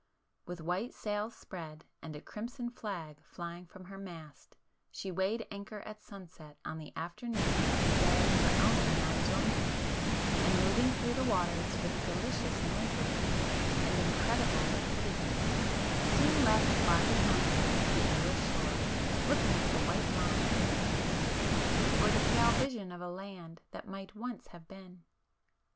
With white sails spread, and a crimson flag flying from her mast, she weighed anchor at sunset on the afternoon of the day her owner and I joined her, and moving through the waters with delicious noiselessness and incredible rapidity, soon left far behind her the English shore, looking like a white line in the mist, or the pale vision of a land that might once have been.